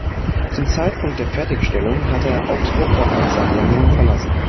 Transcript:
Zum Zeitpunkt der Fertigstellung hatte er Augsburg bereits seit längerem verlassen.